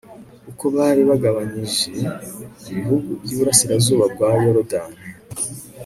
uko bari bagabanyije ibihugu by'iburasirazuba bwa yorudani